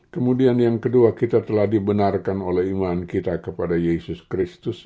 kemudian yang kedua kita telah dibenarkan oleh iman kita kepada yesus kristus